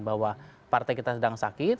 bahwa partai kita sedang sakit